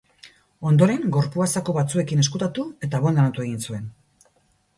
Ondoren, gorpua zaku batzuekin ezkutatu eta abandonatu egin zuen.